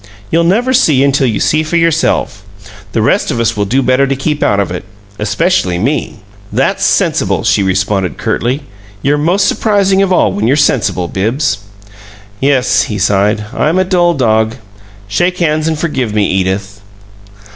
You'll never see until you see for yourself. The rest of us will do better to keep out of it especially me!" "That's sensible," she responded, curtly. "You're most surprising of all when you're sensible, Bibbs." "Yes," he sighed. "I'm a dull dog. Shake hands and forgive me, Edith."